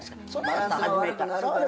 バランスが悪くなるから。